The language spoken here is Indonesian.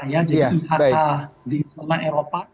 jadi di hata di seluruh eropa